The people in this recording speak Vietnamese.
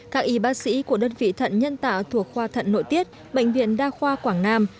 các y bác sĩ của đơn vị thận nhân tạo thuộc khoa thận nội tiết bệnh viện đa khoa quảng nam